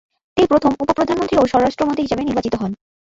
তিনি প্রথম উপ- প্রধানমন্ত্রী ও স্বরাষ্ট্রমন্ত্রী হিসেবে নির্বাচিত হন।